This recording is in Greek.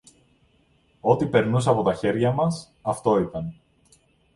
Ό,τι περνούσε από τα χέρια μας, αυτό ήταν